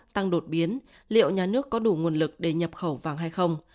tăng đột biến liệu nhà nước có đủ nguồn lực để nhập khẩu vàng hay không